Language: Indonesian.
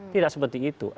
tidak seperti itu